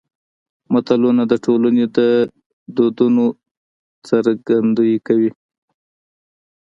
متلونه د ټولنې د دودونو څرګندوی دي